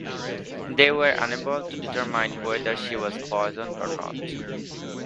They were unable to determine whether she was poisoned or not.